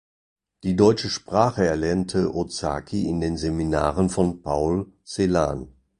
Die deutsche Sprache erlernte Ozaki in den Seminaren von Paul Celan.